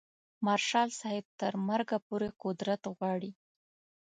مارشال صاحب تر مرګه پورې قدرت غواړي.